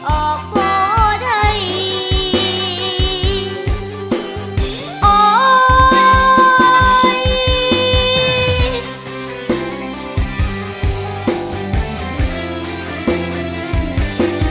ออกเพราะใจ